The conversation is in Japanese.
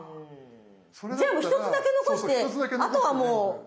じゃあ１つだけ残してあとはもう。